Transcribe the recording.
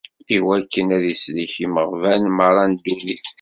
Iwakken ad isellek imeɣban merra n ddunit.